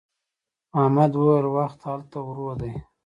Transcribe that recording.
احمد وويل: وخت هلته ورو دی.